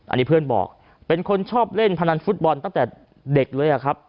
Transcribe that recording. อันนี้เพื่อนบอกเป็นคนชอบเล่นพนันฟุตบอลตั้งแต่เด็กเลยอะครับ